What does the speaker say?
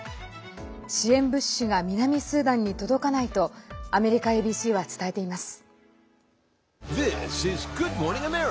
支援物資が南スーダンに届かないとアメリカＡＢＣは伝えています。